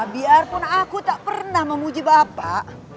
biarpun aku tak pernah memuji bapak